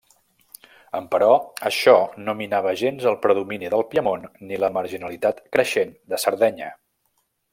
Emperò, això no minava gens el predomini del Piemont ni la marginalitat creixent de Sardenya.